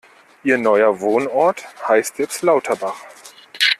Ihr neuer Wohnort heißt jetzt Lauterbach.